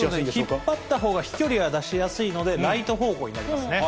引っ張ったほうが飛距離が出やすいので、ライト方向になりますね。